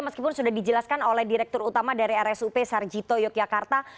meskipun sudah dijelaskan oleh direktur utama dari rsup sarjito yogyakarta